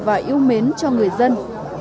và yêu mến cho người dân